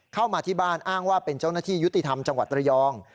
เข้ามาที่บ้านอ้างว่าเป็นเจ้าหน้าที่ยุติธรรมจังหวัดระยอง